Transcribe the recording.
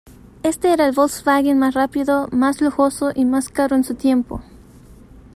Este era el Volkswagen más rápido, más lujoso y más caro en su tiempo.